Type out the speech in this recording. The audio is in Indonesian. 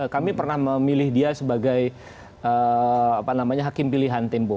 kami pernah memilih dia sebagai hakim pilihan tempo